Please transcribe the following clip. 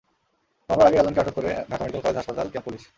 মামলার আগেই রাজনকে আটক করে ঢাকা মেডিকেল কলেজ হাসপাতাল ক্যাম্প পুলিশ।